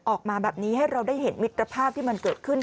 ออกมาแบบนี้ให้เราได้เห็นมิตรภาพที่มันเกิดขึ้น